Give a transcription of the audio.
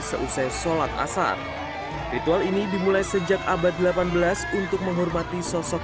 seusai sholat asar ritual ini dimulai sejak abad delapan belas untuk menghormati sosok